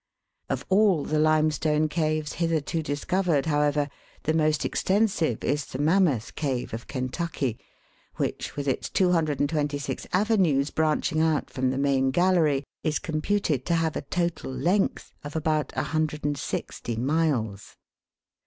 Of all the limestone caves hitherto discovered, however, the most extensive is the Mammoth Cave, of Kentucky, which, with its 226 avenues branching out from the main gallery, is computed to have a total length of about 160 miles.